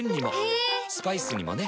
ヘェー⁉スパイスにもね。